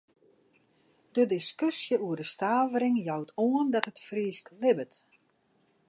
De diskusje oer de stavering jout oan dat it Frysk libbet.